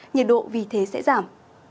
nhiệt độ vì thế sẽ giảm